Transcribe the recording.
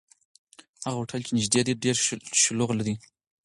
هغه هوټل چې نږدې دی، ډېر شلوغ دی.